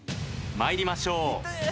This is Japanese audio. まいりましょう。